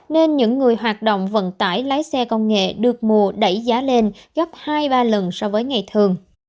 nên những người hoạt động vận tải lái xe công nghệ được mùa đẩy giá lên gấp hai ba lần so với ngày thường